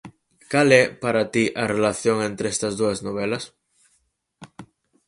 Cal é, para ti, a relación entre estas dúas novelas?